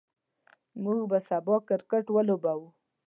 موږ به سبا کرکټ ولوبو.